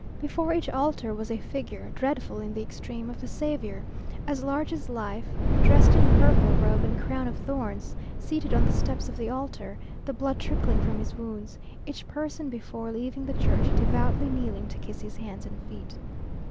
Before each altar was a figure, dreadful in the extreme, of the Saviour, as large as life, dressed in purple robe and crown of thorns, seated on the steps of the altar, the blood trickling from his wounds; each person, before leaving the church, devoutly kneeling to kiss his hands and feet.